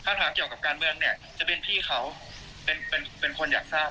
แต่วันนั้นที่ถามคือในนามของคุณพาณวัฒน์ใช่ไหมครับ